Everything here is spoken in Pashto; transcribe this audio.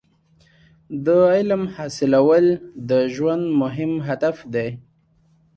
• د علم حاصلول د ژوند مهم هدف دی.